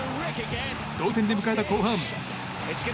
同点で迎えた後半。